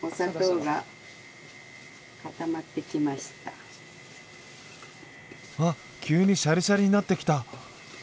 うわっ急にシャリシャリになってきた！